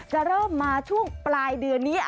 เริ่มมาช่วงปลายเดือนนี้